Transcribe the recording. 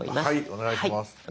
お願いします。